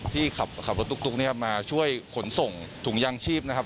ที่ขับรถตุ๊กเนี่ยมาช่วยขนส่งถุงยางชีพนะครับ